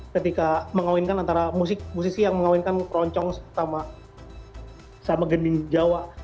ketika mengawinkan antara musisi yang mengawinkan keroncong sama gending jawa